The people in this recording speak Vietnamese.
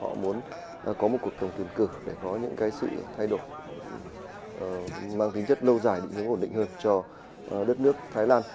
họ muốn có một cuộc tổng tuyển cử để có những sự thay đổi mang tính chất lâu dài định hướng ổn định hơn cho đất nước thái lan